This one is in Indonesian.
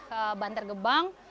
ke bantar gebang